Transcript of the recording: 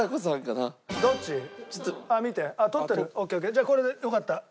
じゃあこれでよかった。